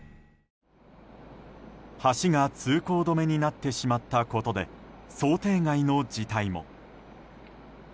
橋が通行止めになってしまったことで想定外の事態も。